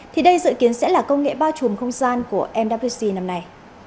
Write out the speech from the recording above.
thì đây dự kiến sẽ là công nghệ bao trùm không gian của mwc năm nay